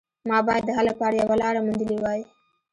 ما باید د حل لپاره یوه لاره موندلې وای